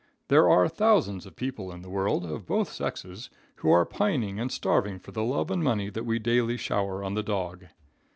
There are thousands of people in the world, of both sexes, who are pining and starving for the love and money that we daily shower on the dog.